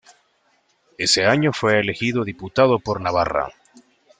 Ese año fue elegido diputado por Navarra.